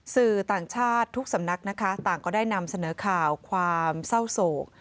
สื่อต่างชาติทุกสำนักนะคะต่างก็ได้นำเสนอข่าวความเศร้าโศก